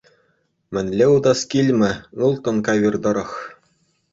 Мӗнле утас килмӗ ылтӑн кавир тӑрӑх!